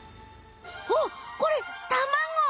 おっこれ卵？